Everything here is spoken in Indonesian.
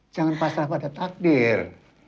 jangan pasrah pada takdir